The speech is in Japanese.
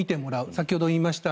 先ほど言いました